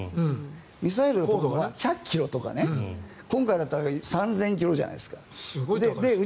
ミサイルが飛ぶのは１００ｋｍとか今回だったら３０００ｋｍじゃないですか。